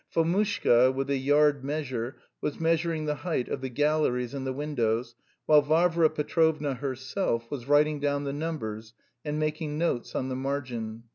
Fomushka, with a yard measure, was measuring the height of the galleries and the windows, while Varvara Petrovna herself was writing down the numbers and making notes on the margin.